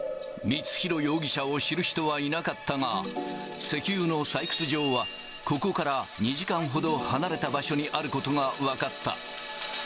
光弘容疑者を知る人はいなかったが、石油の採掘場は、ここから２時間ほど離れた場所にあることが分かった。